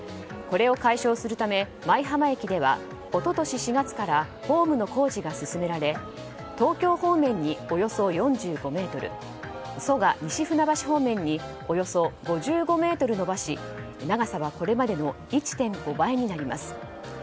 これを解消するため舞浜駅では一昨年４月からホームの工事が進められ東京方面におよそ４５ｍ蘇我・西船橋方面におよそ５５ｍ延ばし長さはこれまでの１．５倍になります。